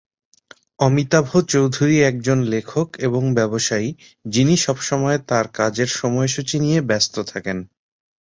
অমিতাভ চৌধুরী একজন লেখক এবং ব্যবসায়ী, যিনি সবসময় তার কাজের সময়সূচী নিয়ে ব্যস্ত থাকেন।